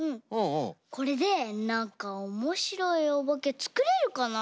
これでなんかおもしろいおばけつくれるかな？